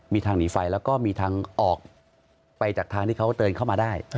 มีทางหนีไฟแล้วก็มีทางออกไปจากทางที่เขาเดินเข้ามาได้